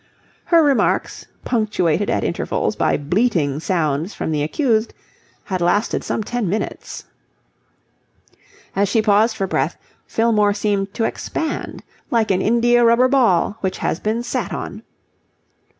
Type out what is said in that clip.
Her remarks, punctuated at intervals by bleating sounds from the accused, had lasted some ten minutes. As she paused for breath, Fillmore seemed to expand, like an indiarubber ball which has been sat on.